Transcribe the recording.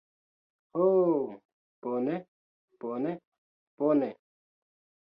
Ho, bone, bone, bone.